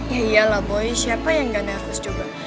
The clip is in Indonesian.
ya iyalah boy siapa yang nggak nervous juga